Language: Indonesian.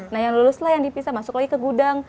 nah yang lulus lah yang dipisah masuk lagi ke gudang